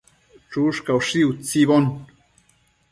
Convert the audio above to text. Chushcaushi utsibo